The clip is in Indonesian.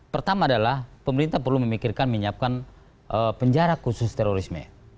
pertama adalah pemerintah perlu memikirkan menyiapkan penjara khusus terorisme